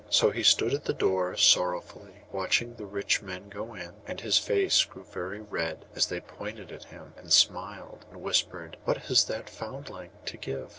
So he stood at the door sorrowfully, watching the rich men go in; and his face grew very red as they pointed at him, and smiled, and whispered, 'What has that foundling to give?